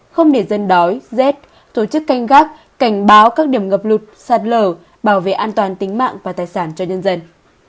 không để dân đói rét tổ chức canh gác cảnh báo các điểm ngập lụt sạt lở bảo vệ an toàn tính mạng và tài sản cho nhân dân